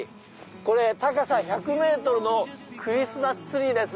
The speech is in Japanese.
これ高さ１００ｍのクリスマスツリーです。